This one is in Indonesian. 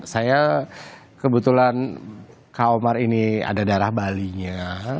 saya kebetulan kak omar ini ada daerah bali nya